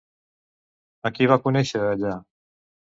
A qui va conèixer allà?